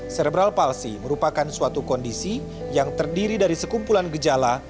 serebral palsi merupakan suatu kondisi yang terdiri dari sekumpulan gejala